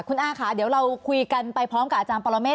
คุณอาค่ะเดี๋ยวเราคุยกันไปพร้อมกับอาจารย์ปรเมฆ